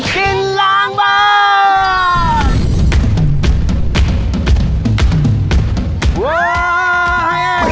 กินรังฟัง